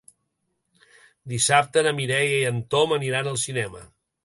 Dissabte na Mireia i en Tom aniran al cinema.